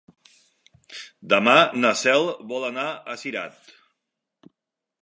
Demà na Cel vol anar a Cirat.